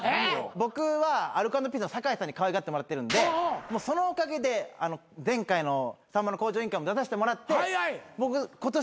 僕はアルコ＆ピースの酒井さんにかわいがってもらってるんでそのおかげで前回の『さんまの向上委員会』も出させてもらって僕今年めっちゃテレビ出て。